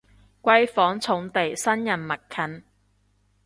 閨房重地生人勿近